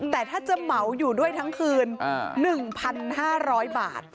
แต่ถ้าจะเหมาอยู่ด้วยทั้งคืน๑๕๐๐บาท